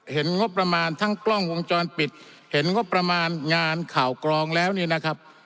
งบประมาณทั้งกล้องวงจรปิดเห็นงบประมาณงานข่าวกรองแล้วเนี่ยนะครับ